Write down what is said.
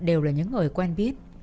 đều là những người quen biết